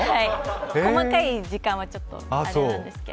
細かい時間はちょっとあれなんですけど。